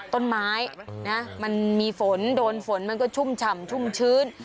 ต้นไม้นะมันมีฝนโดนฝนมันก็ชุ่มฉ่ำชุ่มชื้น